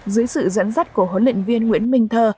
dưới sự dẫn dắt của huấn luyện viên nguyễn minh thơ